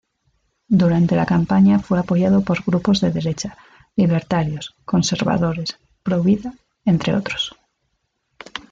Durante la campaña fue apoyado por grupos de derecha, libertarios, conservadores, provida, entre otros.